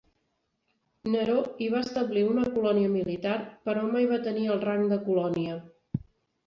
Neró hi va establir una colònia militar però mai va tenir el rang de colònia.